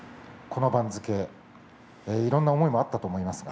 この番付でいろんな思いがあったと思います。